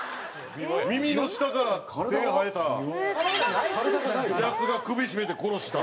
耳の下から手生えたヤツが首絞めて殺した。